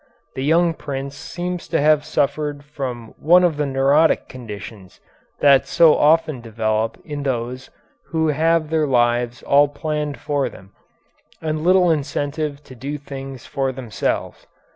The young prince seems to have suffered from one of the neurotic conditions that so often develop in those who have their lives all planned for them, and little incentive to do things for themselves.